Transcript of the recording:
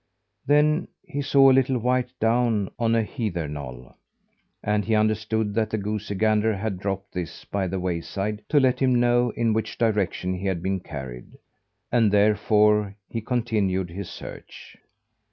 Then he saw a little white down on a heather knoll, and he understood that the goosey gander had dropped this by the wayside to let him know in which direction he had been carried; and therefore he continued his search.